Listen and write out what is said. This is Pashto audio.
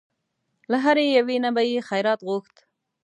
له هرې یوې نه به یې خیرات غوښت.